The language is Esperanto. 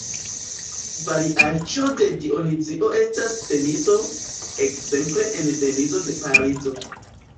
Variaĵo de "Dionizio" estas Denizo, ekzemple en Denizo de Parizo.